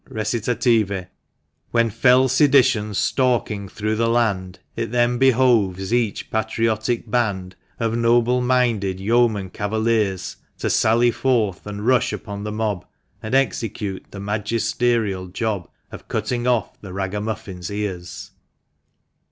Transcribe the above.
RECITATIVE. When fell sedition's stalking through the land, It then behoves each patriotic band OF NOBLE MINDED YEOMAN CAVALIERS To sally forth and rush upon the mob, And execute the MAGISTERIAL JOB Of cutting off the ragamuffins' ears.